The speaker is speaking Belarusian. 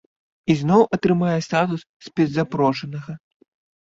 І зноў атрымае статус спецзапрошанага.